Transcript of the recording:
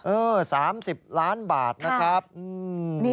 เออ๓๐ล้านบาทนะครับอืมครับ